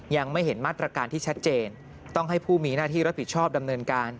ยังไม่เห็นมาตรการที่ชัดเจนต้องให้ผู้มีหน้าที่รับผิดชอบดำเนินการ